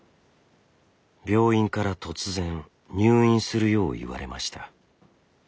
病院から突然入院するよう言われました。